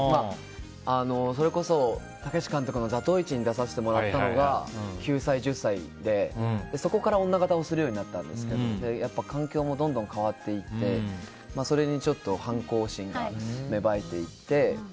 それこそ、武監督の「座頭市」に出させてもらったのが９歳１０歳で、そこから女形をするようになったんですが環境もどんどん変わっていってそれに反抗心が芽生えていって。